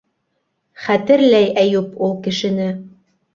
Хәтерләй Әйүп ул кешене.